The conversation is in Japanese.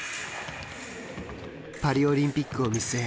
パリオリンピックを見据え